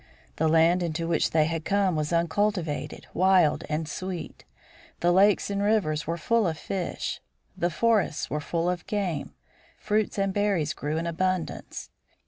The land into which they had come was uncultivated, wild, and sweet. The lakes and rivers were full of fish; the forests were full of game; fruits and berries grew in abundance.